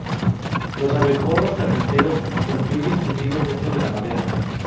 Los abejorros carpinteros construyen sus nidos dentro de la madera.